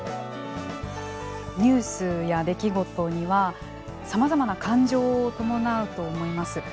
ニュースや出来事にはさまざまな感情を伴うと思います。